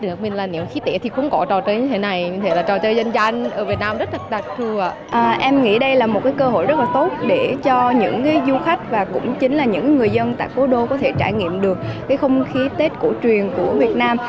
em nghĩ đây là một cơ hội rất là tốt để cho những du khách và cũng chính là những người dân tại cố đô có thể trải nghiệm được cái không khí tết cổ truyền của việt nam